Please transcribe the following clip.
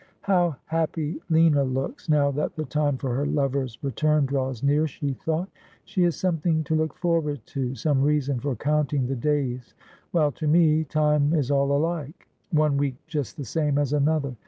'How happy Liua looks, now that the time for her lover's return draws near !' she thought. ' She has something to look forward to, some reason for counting the days ; while to me time is all alike, one week just the same as another.